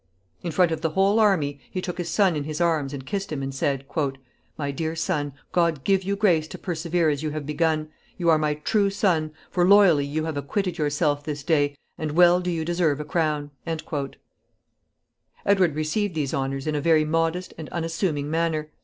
In front of the whole army, he took his son in his arms and kissed him, and said, "My dear son, God give you grace to persevere as you have begun. You are my true son, for loyally you have acquitted yourself this day, and well do you deserve a crown." Edward received these honors in a very modest and unassuming manner.